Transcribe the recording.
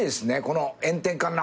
この炎天下ん中。